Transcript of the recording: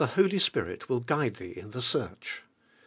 Holy Spirit will guide thee in the search.